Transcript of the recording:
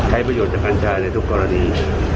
ให้ประโยชน์จากการชายในทุกกรณี